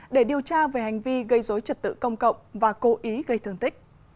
để điều tra về hành vi gây dối trật tự công cộng và cố ý gây thương tích